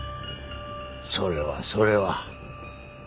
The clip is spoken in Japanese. それはそれは。